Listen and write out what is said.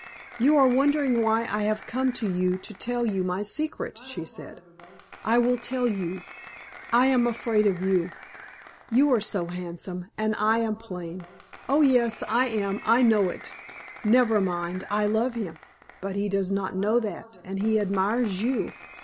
"You are wondering why I have come to you to tell you my secret," she said. "I will tell you. I am afraid of you. You are so handsome, and I am plain. Oh! yes, I am I know it. Never mind, I love him. But he does not know that, and he admires you.